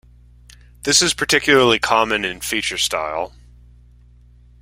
This is particularly common in feature style.